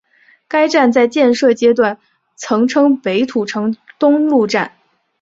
该站在建设阶段曾称北土城东路站。